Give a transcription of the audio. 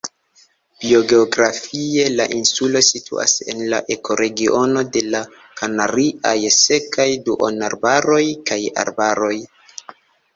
Biogeografie la insulo situas en la ekoregiono de la kanariaj sekaj duonarbaroj kaj arbaroj.